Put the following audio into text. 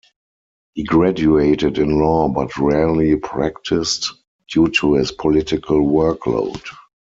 He graduated in law but rarely practised due to his political workload.